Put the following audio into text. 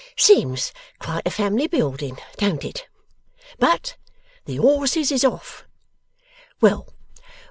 'Seems quite a family building; don't it? But the horses is off. Well!